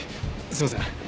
すみません。